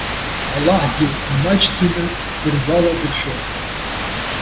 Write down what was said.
Аллаҳгьы имаҷӡаны дыргәаладыршәоит.